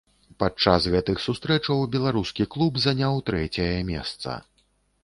Падчас гэтых сустрэчаў беларускі клуб заняў трэцяе месца.